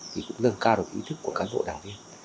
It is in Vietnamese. thì cũng lân cao được ý thức của cán bộ đảng viên